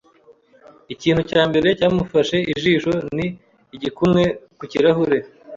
Ikintu cya mbere cyamufashe ijisho ni igikumwe ku kirahure.